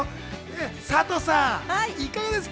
サトさん、いかがですか？